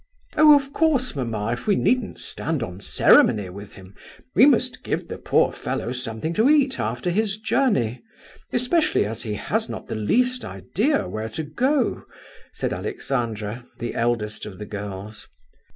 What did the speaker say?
"Oh, of course, mamma, if we needn't stand on ceremony with him, we must give the poor fellow something to eat after his journey; especially as he has not the least idea where to go to," said Alexandra, the eldest of the girls.